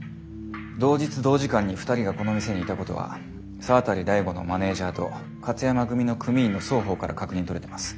同日同時間に２人がこの店にいたことは沢渡大吾のマネージャーと勝山組の組員の双方から確認とれてます。